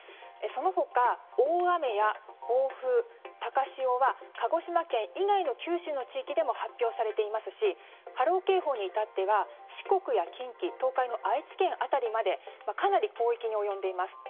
その他、大雨や暴風、高潮は鹿児島県以外の九州の地域でも発表されていますし波浪警報に至っては四国や近畿東海の愛知県辺りまでかなり広域に及んでいます。